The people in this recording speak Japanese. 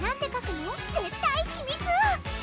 絶対秘密！